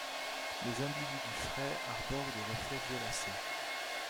Les individus frais arborent des reflets violacés.